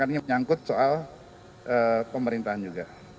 ini menyangkut soal pemerintahan juga